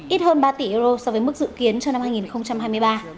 ít hơn ba tỷ euro so với mức dự kiến cho năm hai nghìn hai mươi ba